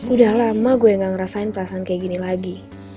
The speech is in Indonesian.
udah lama gue gak ngerasain perasaan kayak gini lagi